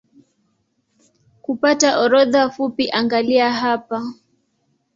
Kupata orodha fupi angalia hapa